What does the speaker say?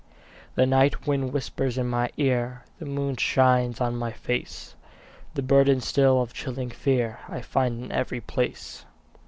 The night wind whispers in my ear, The moon shines on my face; The burden still of chilling fear I find in every place.